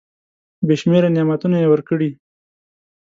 بي شمیره نعمتونه یې ورکړي .